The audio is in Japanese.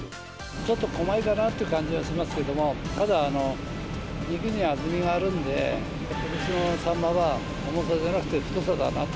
ちょっとこまいかなって感じはしますけれど、ただ、肉に厚みがあるんで、ことしのサンマは、重さじゃなくて太さだなと。